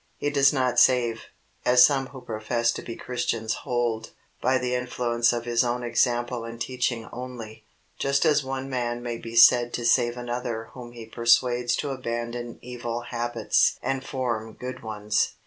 He does not save, as some who profess to be Christians hold, by the influence of His own example and teaching only, just as one man may be said to save another whom he persuades to abandon evil habits and form good ones.